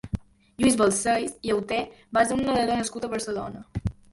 Lluís Balcells i Auter va ser un nedador nascut a Barcelona.